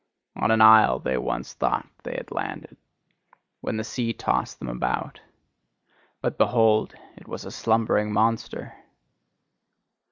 On an isle they once thought they had landed, when the sea tossed them about; but behold, it was a slumbering monster!